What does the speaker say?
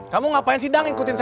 hmm yaudah oks